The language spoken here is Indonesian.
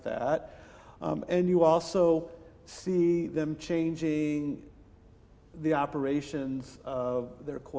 dan anda juga melihat mereka mengubah operasi bisnis core mereka